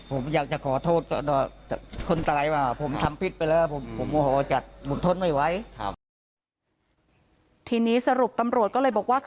ผมอยากจะขอโทษพวกคนตายมา